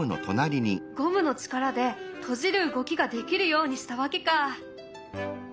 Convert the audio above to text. ゴムの力で閉じる動きができるようにしたわけか。